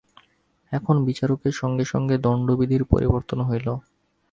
এখন বিচারকের সঙ্গে সঙ্গে দণ্ডবিধির পরিবর্তন হইল।